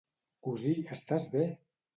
Cosí, estàs bé!